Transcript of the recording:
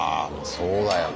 そうだよね。